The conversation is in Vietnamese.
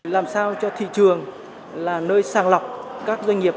làm sao cho thị trường là nơi sàng lọc các doanh nghiệp